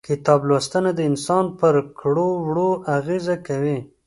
کتاب لوستنه د انسان پر کړو وړو اغيزه کوي.